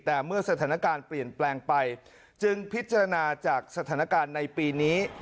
แต่เมื่อสถานการณ์เปลี่ยนแปลงไปจึงพิจารณาจากสถานการณ์ในปีนี้